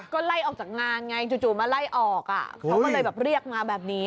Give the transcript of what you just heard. ก็ไล่ออกจากงานไงจู่มาไล่ออกอ่ะเขาก็เลยแบบเรียกมาแบบนี้